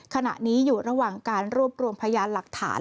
ขณะนี้อยู่ระหว่างการรวบรวมพยานหลักฐาน